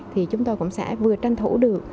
thì chúng tôi cũng sẽ vừa tranh thủ được